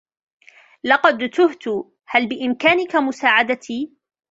لقد تهتُ ، هل بإمكانك مساعدتي ؟